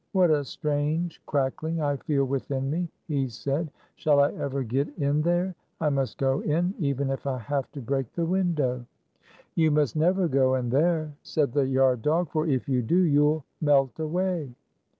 "What a strange crack ling I feel within me!" he said. "Shall I ever get in there? I must go in, even if I have to break the window." "You must never go in there," said the yard dog; "for if you do, you 'll melt away."